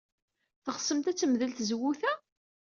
Teɣsemt ad temdel tzewwut-a?